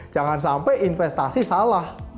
jangan sampai investasi salah